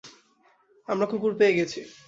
আমরা কুকুর পেয়ে গেছি।